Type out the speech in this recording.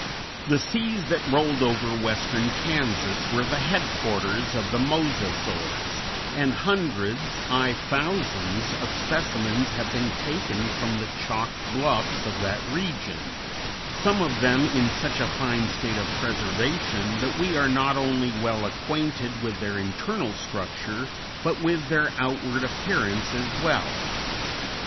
_] The seas that rolled over western Kansas were the headquarters of the Mosasaurs, and hundreds aye, thousands of specimens have been taken from the chalk bluffs of that region, some of them in such a fine state of preservation that we are not only well acquainted with their internal structure, but with their outward appearance as well.